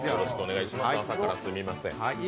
朝からすみません。